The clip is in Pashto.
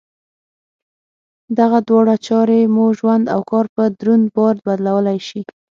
دغه دواړه چارې مو ژوند او کار په دروند بار بدلولای شي.